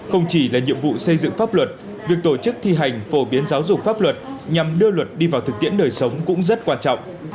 không chỉ là nhiệm vụ xây dựng pháp luật việc tổ chức thi hành phổ biến giáo dục pháp luật nhằm đưa luật đi vào thực tiễn đời sống cũng rất quan trọng